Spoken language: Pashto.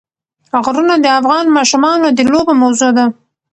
غرونه د افغان ماشومانو د لوبو موضوع ده.